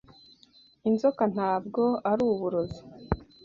Inzoka ntabwo ari uburozi.